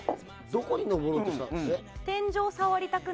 どこに上ろうとしたんです？